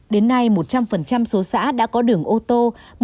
đến nay một trăm linh số xã đã có đường ô tô